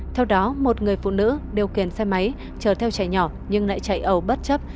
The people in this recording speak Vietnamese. theo đó một người phụ nữ điều khiển xe máy chờ theo trẻ nhỏ nhưng lại chạy ẩu bất chấp